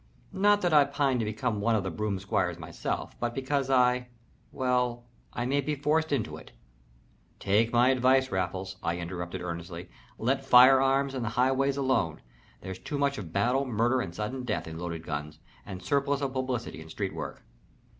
Not that I pine to become one of the Broom Squires myself, but because I well, I may be forced into it." "Take my advice, Raffles," I interrupted, earnestly. "Let fire arms and highways alone. There's too much of battle, murder, and sudden death in loaded guns, and surplus of publicity in street work."